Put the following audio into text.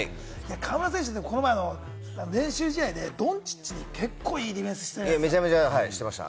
河村選手のこの間、練習試合でドンチッチにかなりいいディフェンスしてました。